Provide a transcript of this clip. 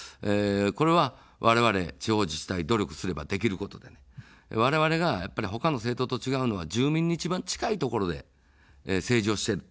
これはわれわれ地方自治体、努力すればできることで、われわれがほかの政党と違うのは住民に一番近いところで政治をしている。